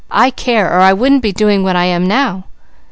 "I care, or I wouldn't be doing what I am now.